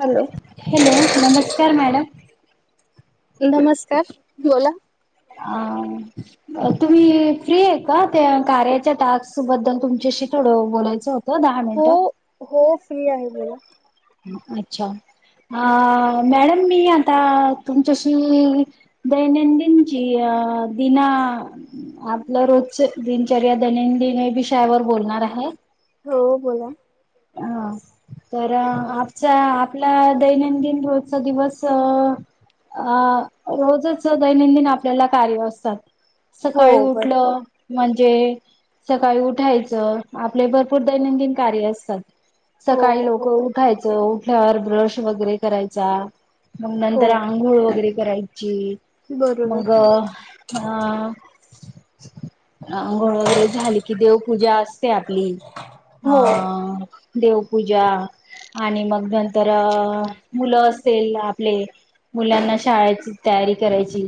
Hello hello नमस्कार madam - नमस्कार बोला! तुम्ही फ्री आहे का त्या कार्याच्या टास्क बद्दल तुमच्याशी - तुमच्याशी थोड बोलायच होत दहा हो मिनिटं हो फ्री आहे बोला - [unintelligible] अ मॅडम मी आता तुमच्याशी दैनंदिन - अ दिना आपलं रोज दिनचर्या दैनंदिन विषयावर - बोलणार आहे. हो बोला - हा तर आपचा आपला दैनंदिन रोजचा दिवस - अ रोजच दैनंदिन आपल्याला कार्य असतात. हो सकाळी बरोबर उठलं म्हण. जे सकाळी उठायचं आपले भरपूर दैनंदिन कार्य असतात. सकाळी हो लोक ब उठायचं उठल्यावर ब्रश वगैरे करायचा. मग हो नंतर आंघोळ वगैरे करायची बरोबर मग - हा आंघोळ वगैरे झाले की देवपूजा असते आपली अ हो - देवपूजा आणि मग नंतर अ मुलं असेल आपले - मुलांना शाळेची तयारी करायची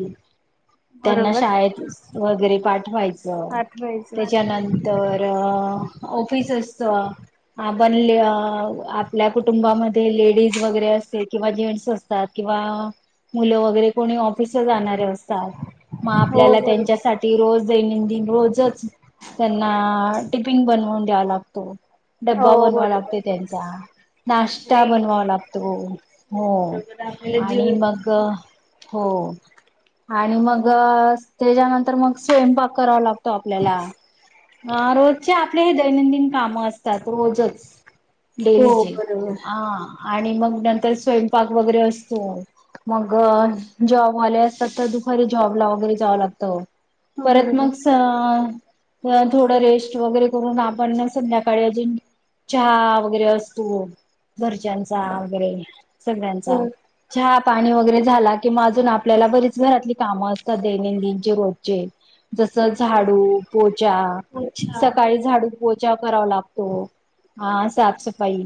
त्यांना बरोबर शाळेत वगैरे पाठवायच च पाठवायचं त्याच्यानंतर ऑफिस असत आपण आपल्या कुटुंबामध्ये लेडीज वगैरे असते किंवा जेंट्स असतात किवा मुलं वगैरे कोणी ऑफिस जाणारे असतात मग हो आपल्याला बरोबर त्यांच्यासाठी रोज दैनंदिन रोजच त्यांना टिपिन बनवून द्यावा लागतो डब्बा हो बनवा बरोबर लागते त्यांचा नाश्ता बनवावा लागतो हो बरोबर आपल्याला आणि जीव मग हो आणि मग त्याच्यानंतर मग स्वयंपाक आपल्याला अ रोजचे आपले हे दैनंदिन काम असतात रोजच हो डेलीचे बरोबर ह आणि मग नंतर स्वयं पार्क वगैरे असतो मग जॉबवाले असतात तर दु खर जॉबला वगैरे जावं लागत हो परत बरोबर मग सा थोडं रेस्ट वगैरे करून आपण संध्याकाळी अजून चहा वगैरे असतू घरच्यांचा वगैरे हो सगळ्यांचा चहा पाणी वगैरे झाला किंवा अजून आपल्याला बरीच घरातली कामं असतात दैनंदिनचे रोजचे जस झाडू पोचाा अच्छा सकाळी झाडू पोचा व करावा लागतो साफसफाई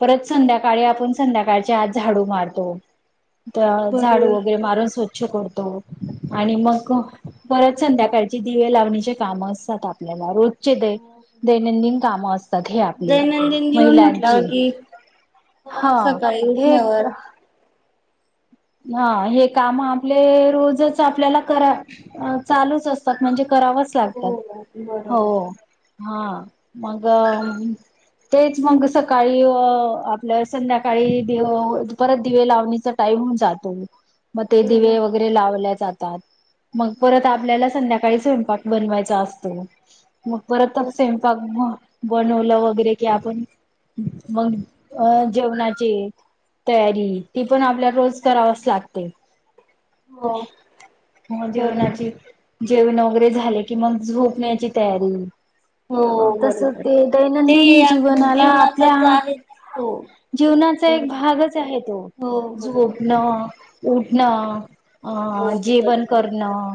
परत संध्याकाळी आपण संध्याकाळच्या आज झाडू मारतो तर झाडू बरोबर वगैरे मारून स्वच्छ करतो आणि मग परत संध्याकाळचे दिवे लावणीचे काम असतात आपल्या रोजचे दैनंदिन काम असतात हे आपले दैनंदिन जीवन म्हटल्यावर महिलांची कि हा सकाळी हे उठल्यावर आ ह हे काम आपले रोज आपल्याला करा चालूच असतात म्हणजे करावच लागतात हो हो बरोबर हा मग अ तेच मग सकाळी आपल्या संध्याकाळी दि परत दिवे लावणीचा टाइम मग ते बरोबर बरोबर दिवे वगैरे लावल्या जातात मग परत आपल्याला संध्याकाळी स्वयंपाक बनवायचा असतो मग परतच स्वयंपाक म बनवलं वगैरे कि आपण मग अ जेवणाचे तयारी ती पण आपल्या रोज करावच लागते हो हो बरोबर जेवणाची जेव वगैरे झाले कि मग झोपण्याची तयारी हो तस बरोबर ते ते दैनंदिन जीवनाला आपल्या जीवनाचाच आहेच हो जीवनाचा एक बरोबर. भागच आहे तो हो बरोबर झोपण अ उठणं अ हो जेवण बरोबर करणं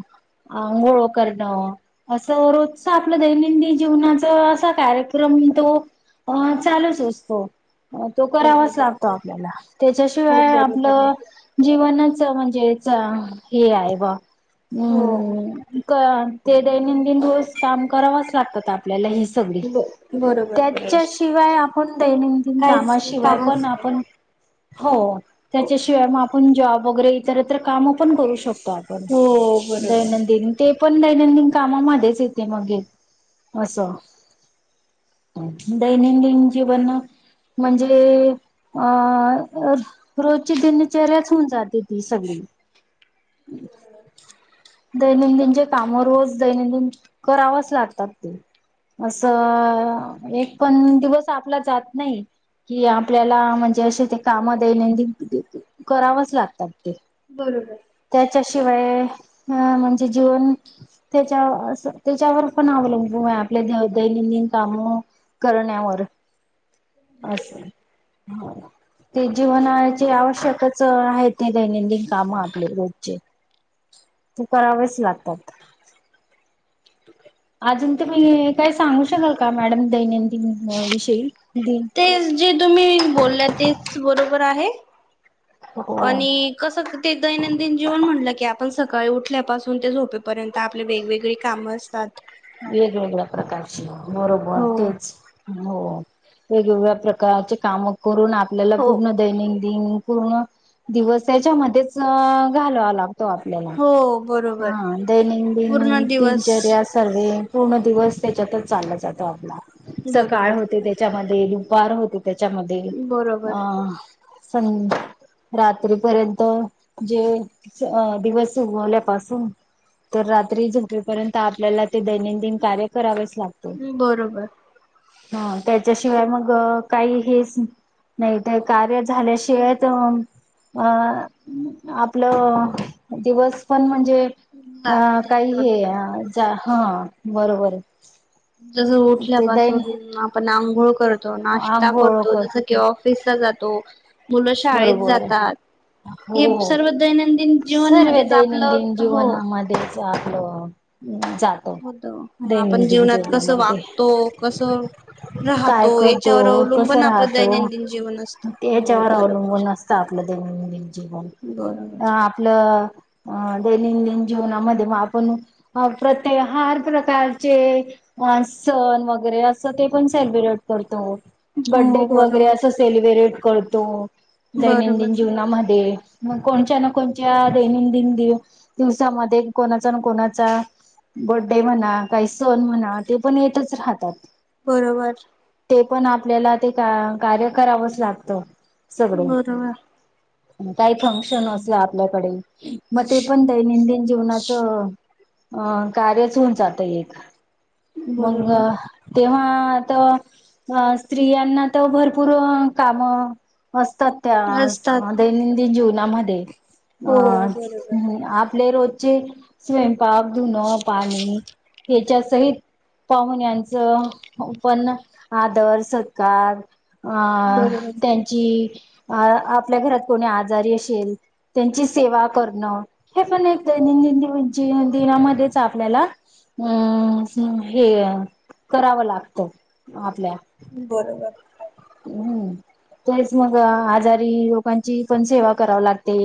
अंघोळ करणं असं रोजच आपलं दैनंदिन जीवनाचा असा कार्यक्रम म तो अ चालूच असतो तो करावाच बरोबर लागतो आपल्याला हो त्याच्याशिवाय बरोबर आहे. आपलं जीवनाच म्हणजेच हे आहे बा अ हो क ते दैनंदिन रोस काम करावच लागतात आपल्याला ह सगळी ब बरोबर बरोबर त्याच्याशिवाय आपण दैनंदिन काहीच कामाशिवाय कामच पण नाही. आपण हो त्याच्याशी आप जॉब वगैरे इतरत काम पण करू शकतो आपण हो बरोबर दैनंदिन ते पण दैनंदिन कामामध्येच येते मगे हे असं दैनंदिन जीवन म्हणजे अ रो ची दिनचर्याच होऊन जात ती सगळी दैनंदिनचे काम रोज दैनंदिन करावच लागतात ते असं एक पण दिवस आपला जात नाही कि आपल्याला म्हणजे असे ते काम दैनंदिन करावंच लागतात ते बरोबर त्याच्याशिवाय म्हणजे जीवन त्याच्या त्याच्यावर पण अवलंबून आपल्या दै दैनंदिन काम करण्यावर असे हो ते जीवना आवश्यकच आहेत दैनंदिन काम आपले रोजचे ते करावेच लागतात अजून तुम्ही काय सांगू शकाल का मॅडम दैनंदिन विषयी दिन ते जे तुम्ही बोलला तेच बरोबर आहे हो आणि कस ते दैनंदिन जीवन म्हणलं की आप आपण सकाळी उठल्यापासून ते झोपेपर्यंत आपले वेगवेगळी कामं असतात वेगवेगळ्या प्रकारची बरोबर हो तेच हो वेगवेगळ्या प्रकारचे काम करून आपल्याला हो पूर्ण दैनिक पूर्ण दिवस त्याच्या मध्येच घालावा लागतो आपल्याला हो बरोबर हा दैनंदिन पूर्ण दिवस दिनचर्या सर्वे पूर्ण दिवस त्याच्यातच चालला जातो आपला सकाळ बरोबर होते त्याच्यामध्ये दुपार होते त्याच्यामध्ये बरोबर अ स रात्रीपर्यंत जे दिवस उगवल्यापासून तर रात्री झोपेपर्यंत आपल्याला ते दैनंदिन कार्य करावेच लागत हम् बरोबर ह त्याच्याशिवाय मग काही हेच नाही ते कार्य झाल्याशिवाय अ आपलं दिवस पण म्हणजे अ जाते काही हे बरोबर हा बरोबर जस ते दैन उठल्यापासून आपण आंघोळ करत नाश्ता आंघोळ करतो कर जस की ऑफिसला जातो मुलं शाळेत बरोबर जातात हो हे हो सर्व दैनंदिन सर्व जीवनमध्येच आपलं हो च आपल जातो होत आपण दैनंदिन जीवनात कसं जीवनामध्ये वागतो कसं काय राहतो करतो याच्यावर कस अवलंबून आपलं राहतो दैनंदिन जीवन असतं हो हो याच्यावर बरोबर अवलंबून असत आपलं दैनंदिन जीवन बरोबर आपलं अं दैनंदिन जीवनामध्ये मग आपण प्रत्येक हार प्रकारचे ह सण वगैरे असं ते पण सेलिब्रेट करतो बडे हो वगैरे बरोबर असं सेलिब्रेट करतो बरोबर दैनंदिन जीवनामध्ये मग कोणच्या ना कोणच्या दैनंदिन दिव दिवसामध्ये कोणाचा ना कोणाचा बडे म्हणा काही सण म्हणा ते पण येतच राहतात बरोबर ते पण आपल्याला ते का कार्य करावंच लागतं सगळे बरोबर काही फंक्शन असलं आपल्याकडे मग ते पण दैनंदिन जीवनाचं अ कार्यच होऊन जात एक मंग बरोबर तेव्हा अ अ अ स्त्रियांना तर भरपूर अ अ काम अस असतात त्या दैनंदिन जीवनामध्ये अ हो बरोबर आप आपले रोजचे स्वयंपाक धुनं पाणी हेच्या सहित पाहुण्यांचं पण आदर सत्कार अ बरोबर त्यांची अ आपल्या घरात कोणी आजारी असेल त्यांची सेवा करणं हे पण एक ज दिनामध्येच आपल्याला अम हे करावं लागतं आपल्या बरोबर हम्म ते मग आजारी लोकांची पण सेवा करावी लागते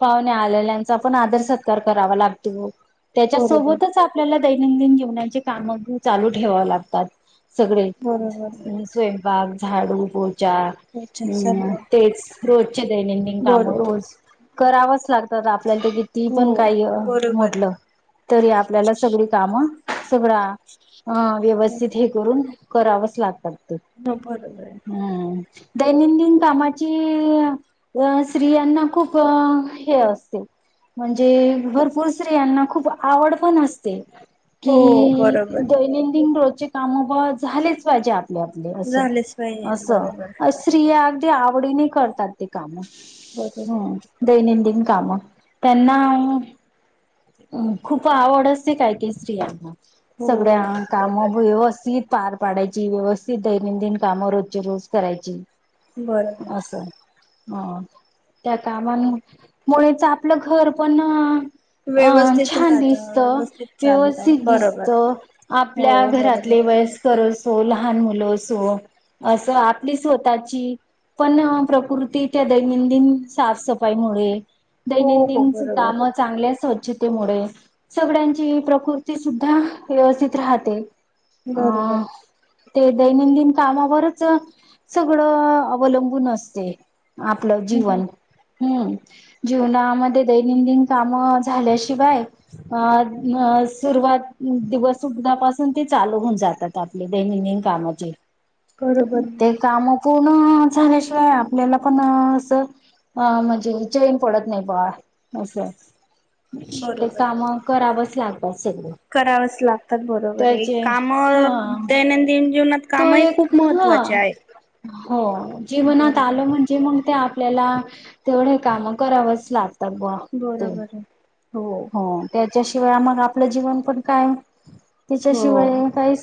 पाहुण्या आलेल्यांचा पण आदर करावा लागतो त्याच्या बरोबर सोबतच आपल्याला दैनंदिन जीवनाचे काम चालू ठेवा लागतात सगळे बरोबर स्वयंपाक झाडू बोत अच्छा तेच रोजचे दैनंदिन काम बरोबर रोज करावच लागतात आपल्याला त किती हो पण काही बरोबर म्हटलं तरी आपल्याला सगळी कामं सगळा अ आहे व्यवस्थित हे करून करावच लागतात ते हो बरोबर आहे हम्म दैनंदिन कामाची स्त्रियांना खूप हे असते म्हणजे भरपूर स्त्रियांना खूप आवड पण असते हो कि बरोबर दैनंदिन रोजचे काम झालेच पाहिजेत झालेच पाहिजे असं बरोबर ते आत्या आवडीने करतातत ते काम बरोबर दैनंदिन काम त्यांना अ खूप आवड असते काय ते स्तियांना हो सगळ्या काम बरोबर व्यवस्थित पार पाडायची व्यवस्थित दैनंदिन कामं रोजच्या रोज करायची बरोबर ह त्या कामा मुळच आपलं घर पण अ व्यवस्थित छान राहत दिसत व्यवस्थित चालत व्यवस्थित बरोबर दिसत हो आपल्या बरोबर घरातल्या वयस्कर असो लहान मुलं असो असं आपण आपली स्वतःची पण प्रकृती त्या दैनंदिन साफसफाईमुळे हो हो दैनंदिन च बरोबर काम चांगले स्वच्छित मुळे सगळ्यांची प्रकृती सुद्धा व्यवस्थित राहते बरोबर अ ते दैनंदिन कामावरच सगळं अवलंबून असते आपलं जीवन हम्म जीवनामध्ये दैनंदिन कामं झाल्याशिवाय अ सुरुवात दिवस सुधापासून ते चालू होऊन जातात आपले दैनंदिन कामाचे बरोबर ते काम पूर्ण झाल्याशिवाय आपल्याला पण अस हा म्हणजे चैन पडत नाही बा असं ते बरोबर काम करावंच लागत करावच लागतात बरोबर एक त्याचे काम हा दैनंदिन जीवनात तो कामही एक खूप महत्त्वाचे हा आहे हो जीवनात आलं म्हणजे मग ते आपल्याला तेवढ काम करावंच लाग [inaudible] बरोबर आहे. हो त्याच्याशिवाय आ मग आपलं जीवन पण काय हो तिच्याशिवाय काहीच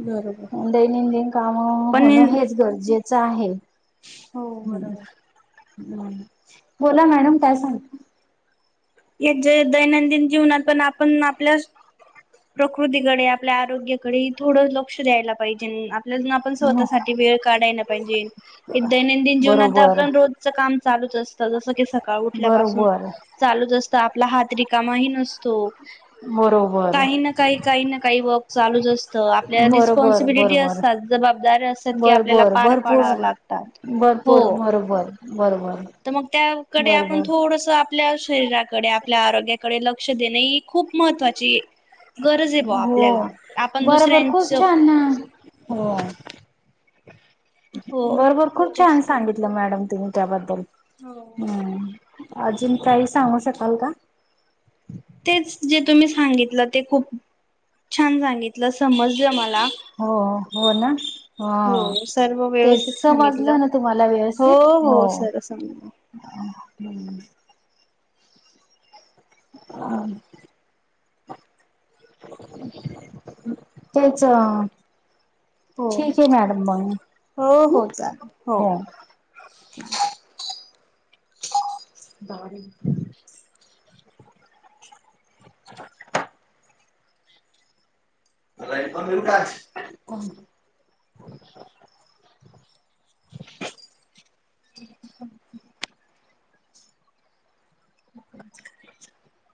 बरोबर दैनंदिन काम पण होणं हेच गरजेचं आहे हो बरोबर हम्म बोला मॅडम काय सांगत या जे दैनंदिन जीवनात पण आपण आपल्या प्रकृतीकडे आपल्या आरोग्याकडे थोडं लक्ष द्यायला पाहिजे आपण स्वतःसाठी वेळ काढायला पाहिजे दैनंदिन जीवन आता बरोबर आपण रोजच काम चालूच असत जसं की सकाळ उठल्यापासून बरोबर चालूच असतं आपला हात रिकामाही नसतो बरोबर काही ना काही काही ना काही वर्क चालूच असत आपल्या बरोबर रिस्पॉन्सिबिलिटी अस बरोबर जबाबदार असत की आपल्याला बरोबर पार भरपूर पाडाव लागतात हो भरपूर बरोबर बरोबर तर मग त्याकडे आपण बरोबर थोडस आपल्या शरीराक कडे आपल्या आरोग्याकडे लक्ष देणे ही खूप महत्त्वाची- गरज आहे बा हो आपल्याला आपण बरोबर दुसऱ्यांच खूप छान ना हो. हो बरोबर खूप छान तेच सांगितलं मॅडम तुम्ही त्याबद्दल - हो अजून काही सांगू शकाल का - तेच जे तुम्ही सांगितलं ते खूप छान सांगितलं समजलं मला- हो हो ना हो सर्व व्यवस्थित तेच सांगितलं वाजलं ना तुम्हाला हो व्यवस्थित - हो सार समजल - हम्म - अ त्याच हो ठीक आहे मॅडम बण हो हम्म हो चालेल हो - [unintelligible] दारी [inaudible] [unintelligible] [inaudible] [unintelligible] [unintelligible]